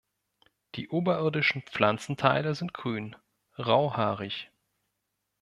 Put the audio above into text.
Die oberirdischen Pflanzenteile sind grün, rauhaarig.